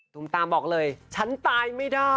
ตามบอกเลยฉันตายไม่ได้